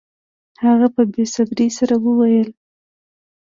هغه په بې صبرۍ سره وویل